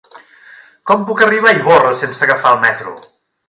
Com puc arribar a Ivorra sense agafar el metro?